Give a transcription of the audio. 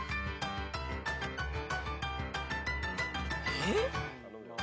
えっ？